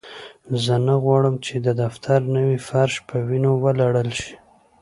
زه نه غواړم چې د دفتر نوی فرش په وینو ولړل شي